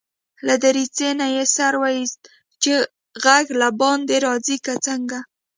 له دريڅې نه يې سر واېست چې غږ له باندي راځي که څنګه.